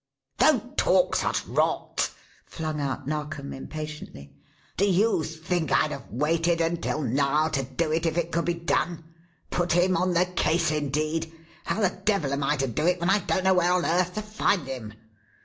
"Don't talk such rot!" flung out Narkom, impatiently. "Do you think I'd have waited until now to do it if it could be done? Put him on the case, indeed! How the devil am I to do it when I don't know where on earth to find him?